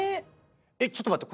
⁉ちょっと待って。